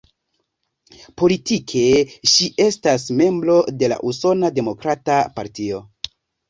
Politike ŝi estas membro de la Usona Demokrata Partio.